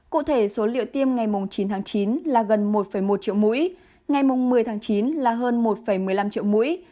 cụ thể số liệu tiêm ngày chín tháng chín là gần một một triệu mũi ngày một mươi tháng chín là hơn một một mươi năm triệu mũi